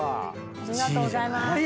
ありがとうございます。